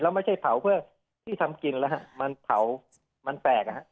แล้วไม่ใช่เผาเพื่อที่ทำกินแล้วฮะมันเผามันแปลก